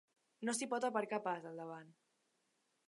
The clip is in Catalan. No s'hi pot aparcar pas, al davant.